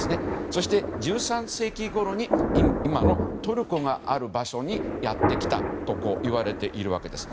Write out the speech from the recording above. そして、１３世紀ごろに今のトルコがある場所にやってきたといわれているわけです。